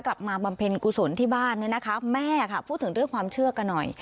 บำเพ็ญกุศลที่บ้านเนี่ยนะคะแม่ค่ะพูดถึงเรื่องความเชื่อกันหน่อย